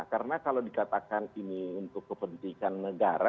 karena kalau dikatakan ini untuk kepentingan negara